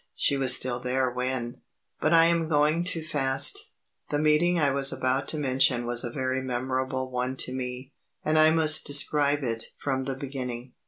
She was still there when But I am going too fast. The meeting I was about to mention was a very memorable one to me, and I must describe it from the beginning.